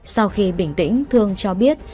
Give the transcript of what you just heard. sau khi bình tĩnh thương cho biết